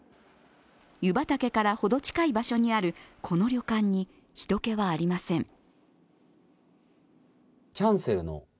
湯畑からほど近い場所にあるこの旅館に人けはありません。